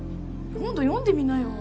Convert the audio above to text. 今度読んでみなよ